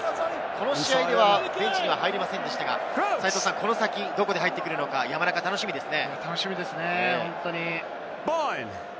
この試合ではベンチには入りませんでしたが、この先どこで入ってくるのか山中、楽しみですね。